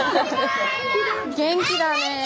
元気だねえ。